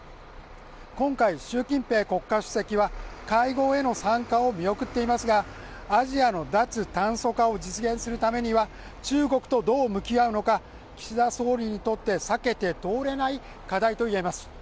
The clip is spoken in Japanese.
今回、習近平国家主席は会合への参加を見送っていますがアジアの脱炭素化を実現するためには中国とどう向き合うのか、岸田総理にとって避けて通れない課題といえます。